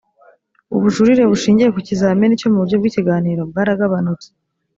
ubujurire bushingiye ku kizamini cyo mu buryo bw ikiganiro bwaragabanutse